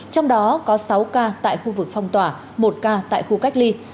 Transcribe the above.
trong đó có sáu ca tại khu vực phong tỏa một ca tại khu cách ly